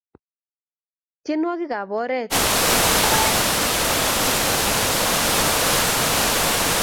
tienwokik ap oret ap ngueny kumutwo alekitit ak kipkaa